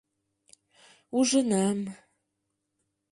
Ужынам...